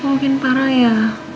mungkin parah ya